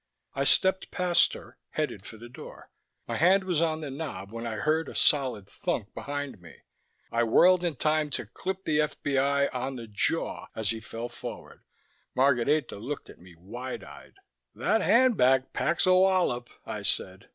I stepped past her, headed for the door. My hand was on the knob when I heard a solid thunk behind me. I whirled in time to clip the FBI on the jaw as he fell forward. Margareta looked at me, wide eyed. "That handbag packs a wallop," I said.